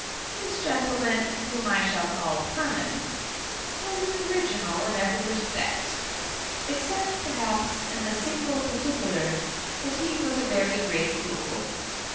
This gentleman, whom I shall call Hermann, was an original in every respect—except, perhaps, in the single particular that he was a very great fool.